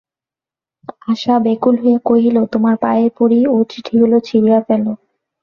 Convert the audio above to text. আশা ব্যাকুল হইয়া কহিল, তোমার পায়ে পড়ি, ও চিঠিগুলো ছিঁড়িয়া ফেলো।